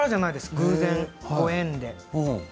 偶然ご縁で。